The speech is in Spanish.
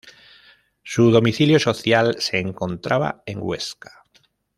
Su domicilio social se encontraba en Huesca.